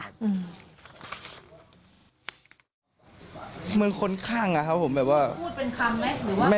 เหมือนคนข้างครับผม